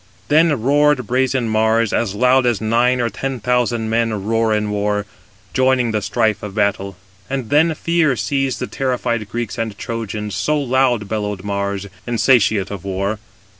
Then roared brazen Mars, as loud as nine or ten thousand men roar in war, joining the strife of battle. And then fear seized the terrified Greeks and Trojans, so loud bellowed Mars, insatiate of war.